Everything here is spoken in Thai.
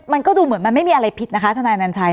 มันก็ดูเหมือนมันไม่มีอะไรผิดนะคะทนายนัญชัย